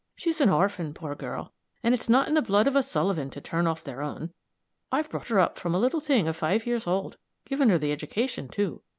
She's an orphan, poor girl, and it's not in the blood of a Sullivan to turn off their own. I've brought her up from a little thing of five years old given her the education, too.